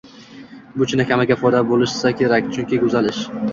Bu chinakamiga foydali bo‘lsa kerak, chunki go‘zal ish».